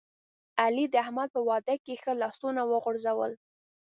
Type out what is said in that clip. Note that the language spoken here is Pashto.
علی د احمد په واده کې ښه لاسونه وغورځول.